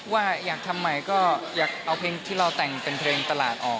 ว่าอยากทำใหม่ก็อยากเอาเพลงที่เราแต่งเป็นเพลงตลาดออก